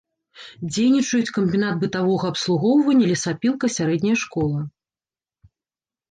Дзейнічаюць камбінат бытавога абслугоўвання, лесапілка, сярэдняя школа.